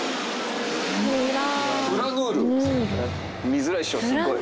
見づらいっしょすごい。